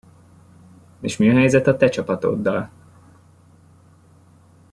És mi a helyzet a te csapatoddal?